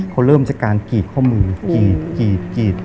เขาเริ่มจากการกี่ข้อมือกี่